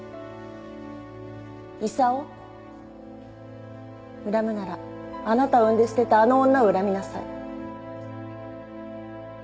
功恨むならあなたを産んで捨てたあの女を恨みなさい。